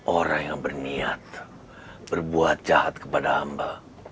orang yang berniat berbuat jahat kepada hamba